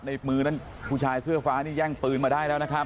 ในมือนั้นผู้ชายเสื้อฟ้านี่แย่งปืนมาได้แล้วนะครับ